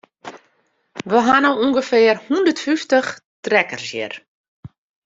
We ha no ûngefear hondert fyftich trekkers hjir.